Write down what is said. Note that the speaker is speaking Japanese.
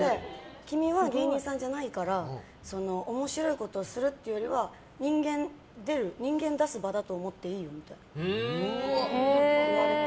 君は、芸人さんじゃないから面白いことをするってよりは人間を出す場だと思っていいよって言われて。